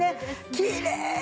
きれいに。